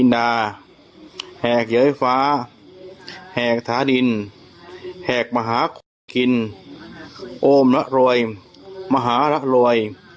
ดาแหกเย๋อไฟฟ้าแหกฐาดินแหกมาหากินโอมละรวยมหาระรวย